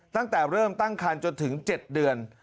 ตั้งแต่เริ่มตั้งคันจนถึง๗เดือน